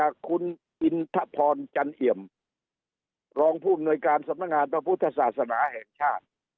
คุณอินทพรจันเอี่ยมรองผู้อำนวยการสำนักงานพระพุทธศาสนาแห่งชาติ